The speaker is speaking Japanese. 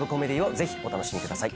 ぜひお楽しみください。